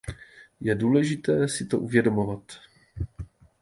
Je důležité si to uvědomovat.